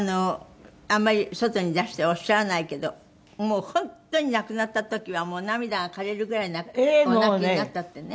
あんまり外に出してはおっしゃらないけどもう本当に亡くなった時はもう涙がかれるぐらいお泣きになったってね。